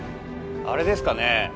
あれですかね？